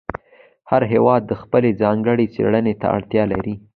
هر هېواد خپلې ځانګړې څېړنې ته اړتیا لري.